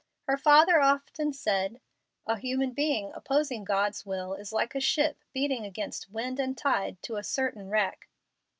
Her father often said, "A human being opposing God's will is like a ship beating against wind and tide to certain wreck."